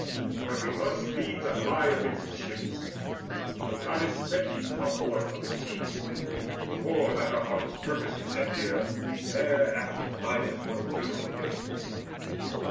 But we must needs abide amidst the ships Till Goddess Thetis come forth of the sea; For that her heart is purposed to set here Fair athlete prizes for the funeral games.